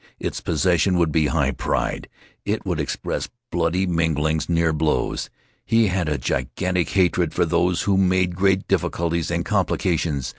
Its possession would be high pride. It would express bloody minglings, near blows. He had a gigantic hatred for those who made great difficulties and complications.